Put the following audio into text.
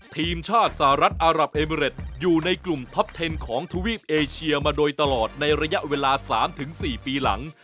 ทีมชาติสหรัฐอารับเอเมริตอยู่ในกลุ่มท็อปเทนของทวีปเอเชียมาโดยตลอดในระยะเวลา๓๔ปีหลัง